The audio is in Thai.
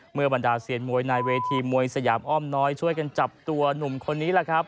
บรรดาเซียนมวยในเวทีมวยสยามอ้อมน้อยช่วยกันจับตัวหนุ่มคนนี้แหละครับ